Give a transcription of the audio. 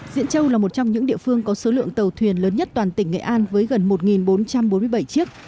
diện châu là một trong những địa phương có số lượng tàu thuyền lớn nhất toàn tỉnh nghệ an với gần một bốn trăm bốn mươi bảy chiếc